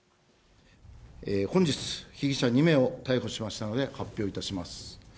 本日、被疑者２名を逮捕しましたので、発表いたします。